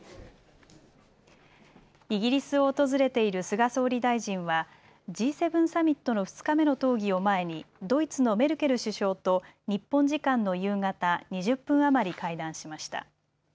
イギリスを訪れている菅総理大臣はＧ７サミットの２日目の討議を前にドイツのメルケル首相と日本時間の夕方、２０分余り会談しました。